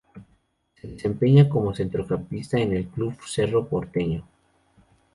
Se desempeña como centrocampista en el Club Cerro Porteño.